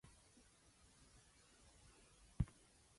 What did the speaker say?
However, construction is delayed due to problematic land acquisition.